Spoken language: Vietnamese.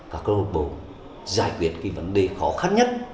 các câu lạc bộ giải quyết vấn đề khó khăn nhất